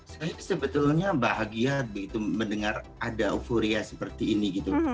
saya sebetulnya bahagia begitu mendengar ada euforia seperti ini gitu